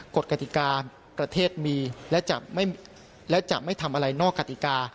กฎกติกาประเทศมีและจะไม่ทำอะไรนอกกติกา